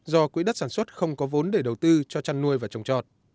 do quỹ đất sản xuất không có vốn để đầu tư cho chăn nuôi và trồng trọt